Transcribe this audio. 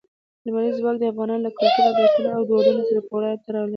لمریز ځواک د افغانانو له کلتوري ارزښتونو او دودونو سره پوره تړاو لري.